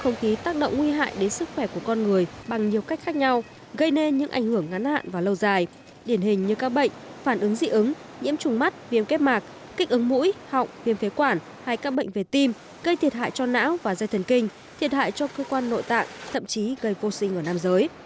không khí tác động nguy hại đến sức khỏe của con người bằng nhiều cách khác nhau gây nên những ảnh hưởng ngắn hạn và lâu dài điển hình như các bệnh phản ứng dị ứng nhiễm trùng mắt viêm kết mạc kích ứng mũi họng viêm phế quản hay các bệnh về tim gây thiệt hại cho não và dây thần kinh thiệt hại cho cơ quan nội tạng thậm chí gây vô sinh ở nam giới